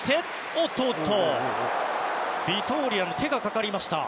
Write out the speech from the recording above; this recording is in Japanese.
ビトーリアの手がかかりました。